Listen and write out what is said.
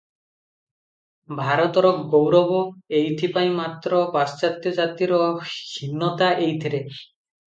ଭାରତର ଗୌରବ ଏଇଥି ପାଇଁ ମାତ୍ର ପାଶ୍ଚାତ୍ତ୍ୟ ଜାତିର ହୀନତା ଏଇଥିରେ ।